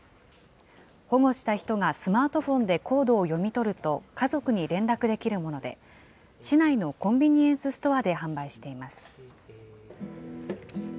保護した人がスマートフォンでコードを読み取ると家族に連絡できるもので、市内のコンビニエンスストアで販売しています。